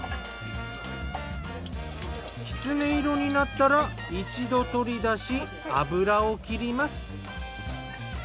きつね色になったら一度取り出し油をきります。